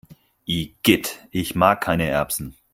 Igitt, ich mag keine Erbsen!